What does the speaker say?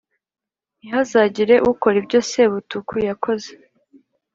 : “Ntihazagire ukora ibyo Sebutuku yakoze,